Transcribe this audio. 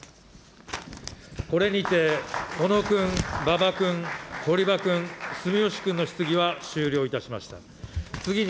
これにて小野君、馬場君、堀場君、住吉君の質疑は終了いたしました。